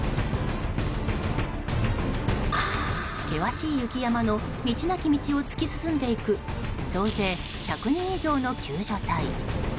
険しい雪山の道なき道を突き進んでいく総勢１００人以上の救助隊。